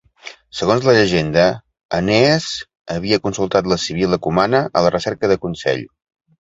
Segons la llegenda, Enees havia consultat la sibil·la cumana a la recerca de consell.